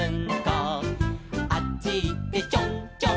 「あっちいってちょんちょん」